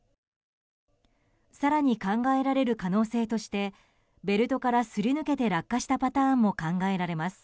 更に、考えられる可能性としてベルトからすり抜けて落下したパターンも考えられます。